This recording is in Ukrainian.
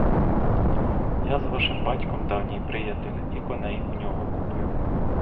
Я з вашим батьком давній приятель, і коней у нього купив.